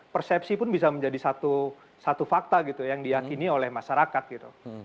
persepsi pun bisa menjadi satu fakta gitu yang diakini oleh masyarakat gitu